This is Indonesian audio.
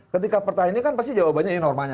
ketika pertanyaan ini kan pasti jawabannya ini normanya